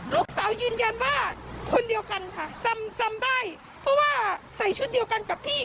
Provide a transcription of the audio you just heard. ยืนยันว่าคนเดียวกันค่ะจำจำได้เพราะว่าใส่ชุดเดียวกันกับพี่